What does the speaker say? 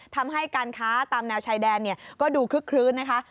ทำให้การค้าตามแนวชายแดนก็ดูคึกคลื้นนะคะ